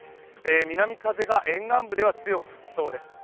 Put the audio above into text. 南風が沿岸部では強く吹きそうです。